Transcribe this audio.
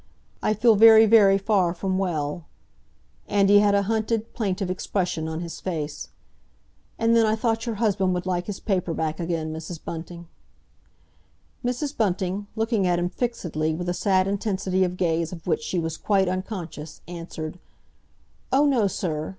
I feel very very far from well"—and he had a hunted, plaintive expression on his face. "And then I thought your husband would like his paper back again, Mrs. Bunting." Mrs. Bunting, looking at him fixedly, with a sad intensity of gaze of which she was quite unconscious, answered, "Oh, no, sir!